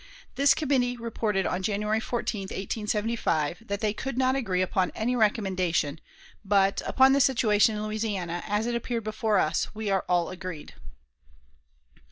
This committee reported on January 14, 1875, that "they could not agree upon any recommendation; but, upon the situation in Louisiana, as it appeared before us, we are all agreed."